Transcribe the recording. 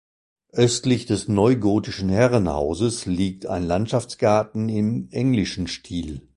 Östlich des neugotischen Herrenhauses liegt ein Landschaftsgarten im englischen Stil.